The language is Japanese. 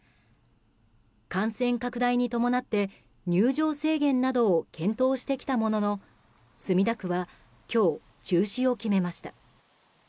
感染拡大に伴って入場制限などを検討してきたものの墨田区は今日中止を決めました。